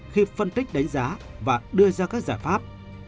khi phân tích đánh giá và đưa ra các giải pháp